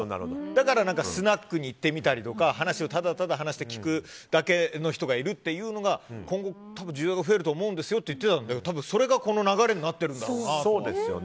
だからスナックに行ってみたりとか話して聞くだけの人がいるというのが今後、需要が増えると思うんですよって言ってたのでそれが、この流れになってるんだろうなと。